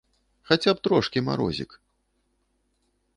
Хаця б трошкі марозік.